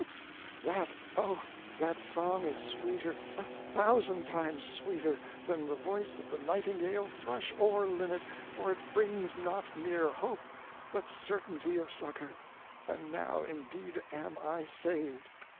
"That, oh, that song is sweeter, a thousand times sweeter than the voice of the nightingale, thrush, or linnet, for it brings not mere hope, but certainty of succor; and now, indeed, am I saved!